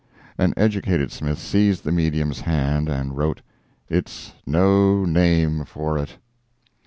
An educated Smith seized the medium's hand and wrote: "It's no name for it."